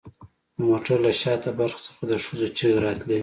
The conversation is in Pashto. د موټر له شاته برخې څخه د ښځو چیغې راتلې